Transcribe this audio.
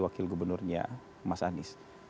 wakil gubernurnya mas andi